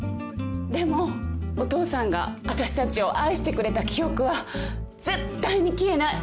でもお父さんがあたしたちを愛してくれた記憶は絶対に消えない。